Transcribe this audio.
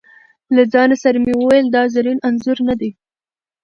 له ځانه سره مې وویل: دا زرین انځور نه دی.